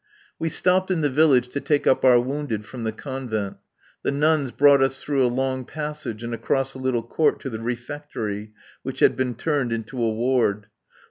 We stopped in the village to take up our wounded from the Convent. The nuns brought us through a long passage and across a little court to the refectory, which had been turned into a ward.